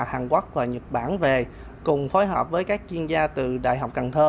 hàn quốc và nhật bản về cùng phối hợp với các chuyên gia từ đại học cần thơ